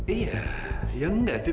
iya ya enggak sih